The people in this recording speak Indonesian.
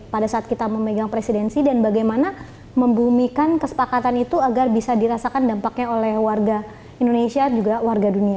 pada saat kita memegang presidensi dan bagaimana membumikan kesepakatan itu agar bisa dirasakan dampaknya oleh warga indonesia juga warga dunia